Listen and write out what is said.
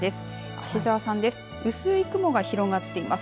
芦沢さんです。